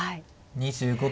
２５秒。